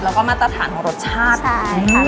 แล้วก็มาตรฐานของรสชาติด้วยค่ะ